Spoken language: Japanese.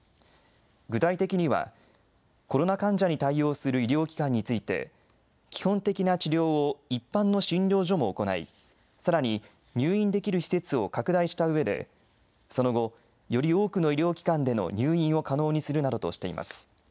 具体的には、コロナ患者に対応する医療機関について、基本的な治療を一般の診療所も行い、さらに入院できる施設を拡大したうえで、その後、より多くの医療機関での入院を可能にするなどとしています。